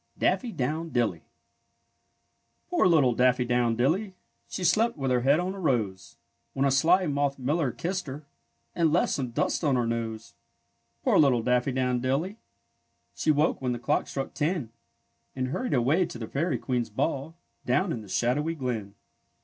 DAFFY DOWN DILLY Poor little Daffy do wn dilly ! She slept with her head on a rose, When a sly moth miller kissed her, And left some dust on her nose. Poor little Daffy do wn dilly! She woke when the clock struck ten, And hurried away to the fairy queen's ball, Down in the shadowy glen.